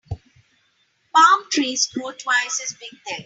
Palm trees grow twice as big there.